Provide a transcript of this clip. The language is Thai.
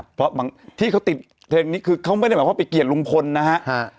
เพราะบางที่เขาติดเทรนด์นี้คือเขาไม่ได้หมายความว่าไปเกลียดลุงพลนะฮะ